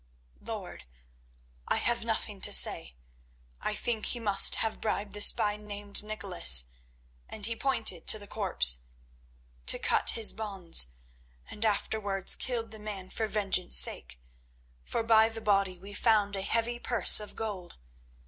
"Lord, I have nothing to say. I think he must have bribed the spy named Nicholas"—and he pointed to the corpse—"to cut his bonds, and afterwards killed the man for vengeance sake, for by the body we found a heavy purse of gold.